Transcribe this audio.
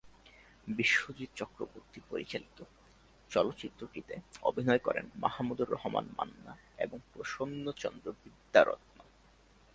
বিশ্বজিৎ চক্রবর্তী পরিচালিত চলচ্চিত্রটিতে অভিনয় করেন মাহমুদুর রহমান মান্না এবং প্রসন্নচন্দ্র বিদ্যারত্ন।